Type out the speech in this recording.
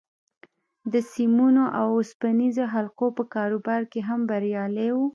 د سيمونو او اوسپنيزو حلقو په کاروبار کې هم بريالی و.